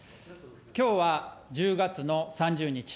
きょうは１０月の３０日。